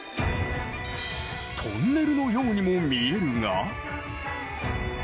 トンネルのようにも見えるが。